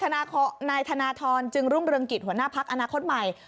นายธนทรจึงรุ่งเรืองกิจหัวหน้าพักอนาคตใหม่